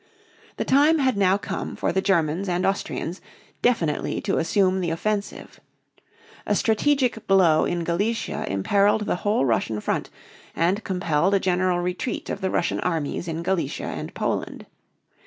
The time had now come for the Germans and Austrians definitely to assume the offensive. A strategic blow in Galicia imperiled the whole Russian front and compelled a general retreat of the Russian armies in Galicia and Poland.